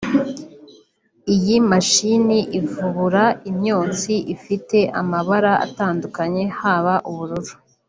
Iyi mashini ivubura imyotsi ifite amabara atandukanye haba ubururu